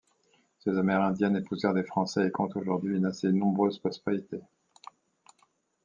Ces Amérindiennes épousèrent des Français et comptent aujourd'hui une assez nombreuse postérité.